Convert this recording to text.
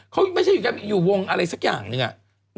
เขาไม่ใช่อยู่วงอะไรสักอย่างหนึ่งอะ